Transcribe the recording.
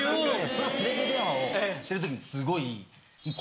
そのテレビ電話をしてる時にすごい。